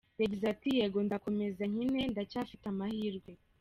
Yagize ati “Yego nzakomeza nkine, ndacyafite amahirwe.